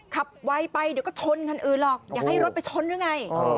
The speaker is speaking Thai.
ไวไปเดี๋ยวก็ชนคันอื่นหรอกอย่าให้รถไปชนหรือไง